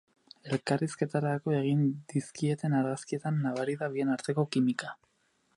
Elkarrizketarako egin dizkieten argazkietan nabari da bien arteko kimika.